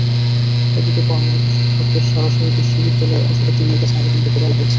এদিকে কর্মরত শিক্ষকদের সরাসরি বিশ্ববিদ্যালয়ের অনুষদের ডিনের কাছে আবেদন করতে বলা হয়েছে।